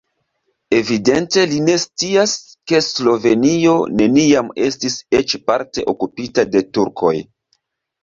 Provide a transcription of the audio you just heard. Evidente li ne scias, ke Slovenio neniam estis eĉ parte okupita de turkoj.